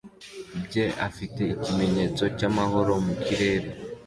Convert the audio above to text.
bye afite ikimenyetso cyamahoro mu kirere